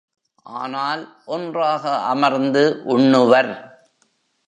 ஆனால் ஒன்றாக அமர்ந்து உண்ணுவர்.